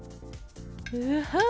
うはっ！